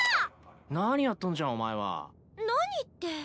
何やっとんじゃお前は。何って。